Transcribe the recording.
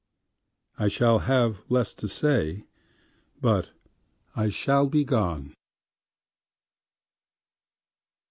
I shall have less to say, But I shall be gone.